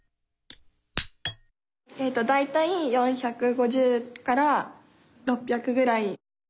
だいたい４５０から６００ぐらい。